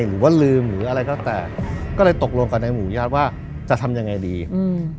หรือว่าลืมหรืออะไรก็แต่ก็เลยตกลงกับในหมู่ญาติว่าจะทำยังไงดีอืม